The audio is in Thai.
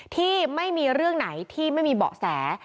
ที่ไม่มีเรื่องไหนที่ไม่มีเบาะแส